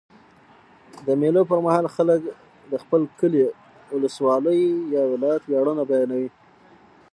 د مېلو پر مهال خلک د خپل کلي، اولسوالۍ یا ولایت ویاړونه بیانوي.